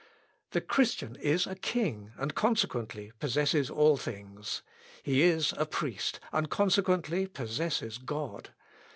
The Christian is a king, and consequently possesses all things. He is a priest, and consequently possesses God.